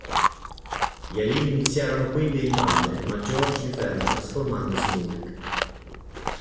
Gli alieni iniziano quindi a invadere, ma George li ferma trasformandosi in Hulk.